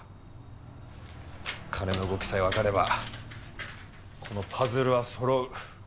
金の動きさえわかればこのパズルはそろう。